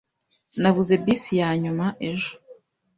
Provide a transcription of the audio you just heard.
Nabuze bisi yanyuma ejo.